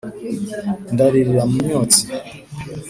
ndaririra mu myotsi